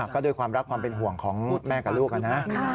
ก็ด้วยความรักความเป็นห่วงของแม่กับลูกนะ